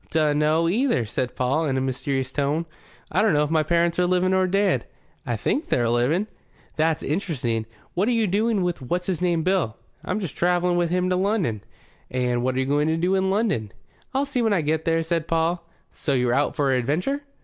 "Dunno, either," said Paul, in a mysterious tone. "I dunno if my parents are living or dead. I think they're living." "That's interesting. What are you doing with what's his name Bill?" "I'm just travelling wi' him to London." "And what are you going to do in London?" "I'll see when I get there," said Paul. "So you're out for adventure?"